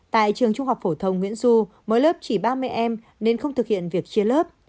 tại trường trung học phổ thông nguyễn du mỗi lớp chỉ ba mươi em nên không thực hiện việc chia lớp